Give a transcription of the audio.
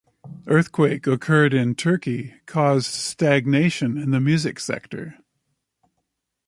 Earthquake occurred in Turkey caused stagnation in the music sector.